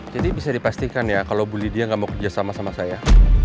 jadi bisa dipastikan ya kalau ibu lydia gak mau kerja sama sama saya